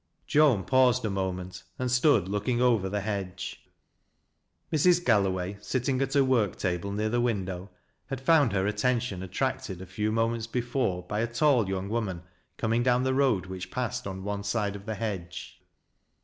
Joan paused a moment and stood looking over the hedge. Mrs. Galloway, sitting at her work table near the win dow, had found her attention attracted a few moments be fore by a tall young woman coming down the road wliich passed on one side of the hedge.